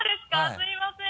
すみません！